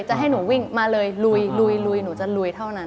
จะให้หนูวิ่งมาเลยลุยลุยหนูจะลุยเท่านั้น